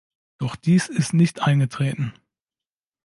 Doch dies ist nicht eingetreten.